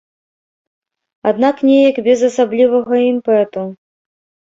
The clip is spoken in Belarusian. Аднак неяк без асаблівага імпэту.